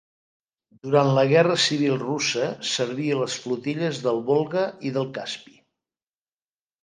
Durant la Guerra Civil Russa serví a les flotilles del Volga i del Caspi.